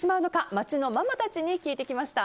街のママたちに聞いてきました。